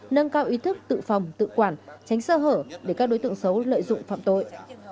nâng cao ý thức tự phòng tự quản tránh sơ hở để các đối tượng xấu lợi dụng phạm tội